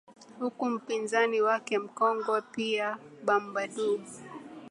huku mpinzani wake mkongwe pier bambadou